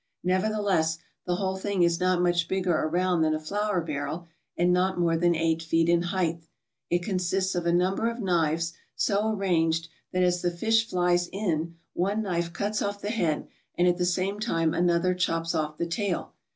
Nevertheless, the whole thing is not much bigger around than a flour barrel and not more than eight feet in height. It consists of a number of knives so arranged that as the fish flies in one knife cuts off the head and at the same time another chops off the tail.